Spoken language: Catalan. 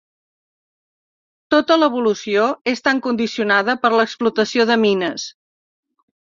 Tota la evolució és tan condicionada per la explotació de mines.